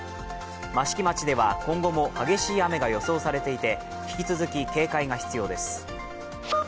益城町では今後も激しい雨が予想されていて引き続き警戒が必要です。